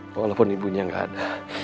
walaupun ibunya nggak ada